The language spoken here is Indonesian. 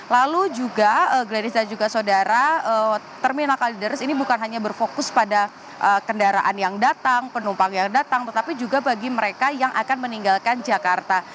lalu juga gladisa juga saudara terminal kalideres ini bukan hanya berfokus pada kendaraan yang datang penumpang yang datang tetapi juga bagi mereka yang akan meninggalkan jakarta